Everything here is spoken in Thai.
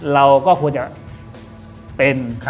เราก็ควรจะเป็น